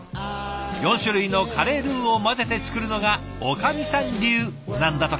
４種類のカレールーを混ぜて作るのがおかみさん流なんだとか。